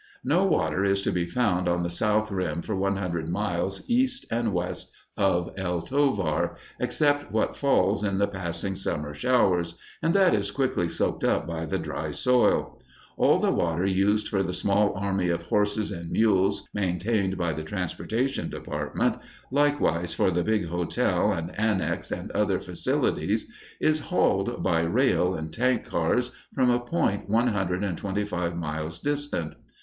No water is to be found on the south rim for one hundred miles east and west of El Tovar, except what falls in the passing summer showers, and that is quickly soaked up by the dry soil. All the water used for the small army of horses and mules maintained by the transportation department, likewise for the big hotel and annex and other facilities, is hauled by rail in tank cars from a point one hundred and twenty five miles distant.